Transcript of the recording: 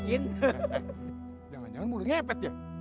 jangan jangan boleh ngepet ya